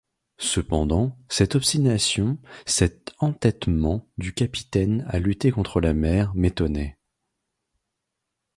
Cependant, cette obstination, cet entêtement du capitaine à lutter contre la mer, m’étonnaient.